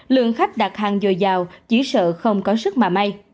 lượng khách đặt hàng dồi dào chỉ sợ không có sức mà may